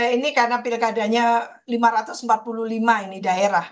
ini karena pilkadanya lima ratus empat puluh lima ini daerah